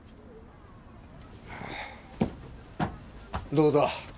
どうだ？